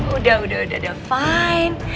udah udah udah udah fine